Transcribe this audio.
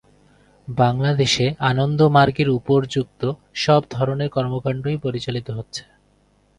বাংলাদেশে আনন্দমার্গের উপর্যুক্ত সব ধরনের কর্মকান্ডই পরিচালিত হচ্ছে।